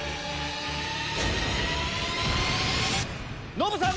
ノブさん